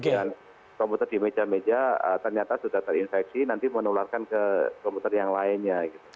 kemudian komputer di meja meja ternyata sudah terinfeksi nanti menularkan ke komputer yang lainnya